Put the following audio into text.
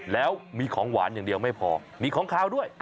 แล้วมีของหวานอย่างเดียวไม่พอมีของขาวด้วย